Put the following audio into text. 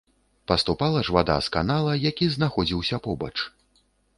Паступала ж вада з канала, які знаходзіўся побач.